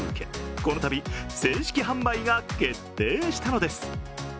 このたび正式販売が決定したのです。